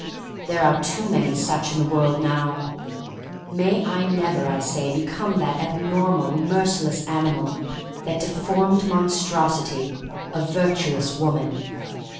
There are too many such in the world now. May I never, I say, become that ab normal, merciless animal, that de formed monstrosity — a virtuous woman.